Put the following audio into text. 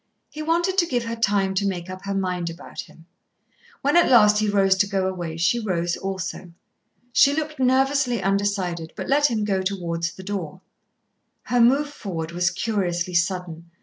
He wanted to give her time to make up her mind about him. When at last he rose to go away, she rose also. She looked nervously undecided, but let him go towards the door. Her move forward was curiously sudden.